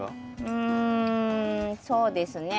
うんそうですね。